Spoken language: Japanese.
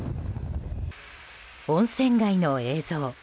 温泉街の映像。